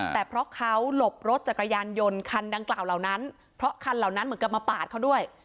แต่เพราะเขาหลบรถจักรยานยนต์คันดังกล่าวเหล่านั้นเพราะคันเหล่านั้นเหมือนกับมาปาดเขาด้วย